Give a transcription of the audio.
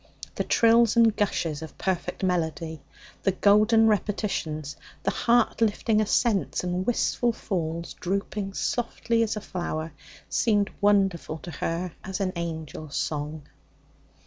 The trills and gushes of perfect melody, the golden repetitions, the heart lifting ascents and wistful falls drooping softly as a flower, seemed wonderful to her as an angel's song.